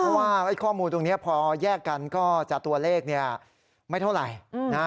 เพราะว่าข้อมูลตรงนี้พอแยกกันก็จะตัวเลขไม่เท่าไหร่